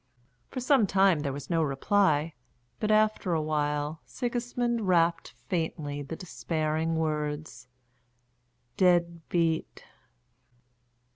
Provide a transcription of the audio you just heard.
For some time there was no reply, but after a while Sigismund rapped faintly the despairing words: "Dead beat!"